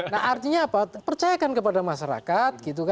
nah artinya apa percayakan kepada masyarakat